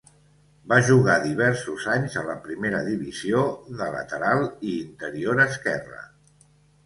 Va jugar diversos anys a la Primera Divisió de lateral i interior esquerra.